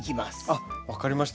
あっ分かりました。